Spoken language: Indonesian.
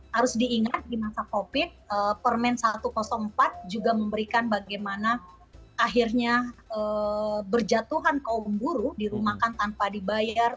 harus diingat di masa covid permen satu ratus empat juga memberikan bagaimana akhirnya berjatuhan kaum buruh dirumahkan tanpa dibayar